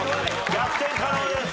逆転可能です。